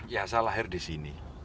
ya saya lahir di sini